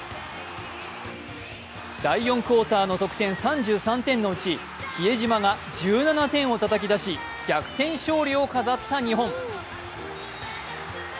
第４クオーターの得点、３３点のうち比江島が１７点をたたき出し、逆転勝利を飾った日本。